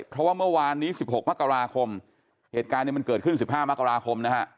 เพราะว่าเมื่อวานนี้๑๖มกราคมเหตุการณ์เนี่ยมันเกิดขึ้น๑๕มกราคมนะฮะ